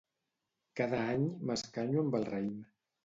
Cada any m'escanyo amb el raïm